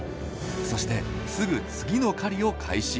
そしてすぐ次の狩りを開始。